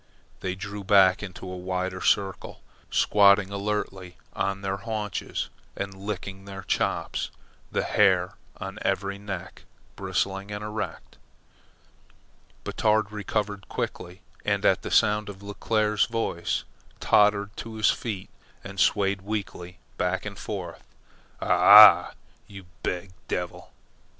They drew back into a wider circle, squatting alertly on their haunches and licking their chops, the hair on every neck bristling and erect. Batard recovered quickly, and at sound of Leclere's voice, tottered to his feet and swayed weakly back and forth. "A h ah! You beeg devil!"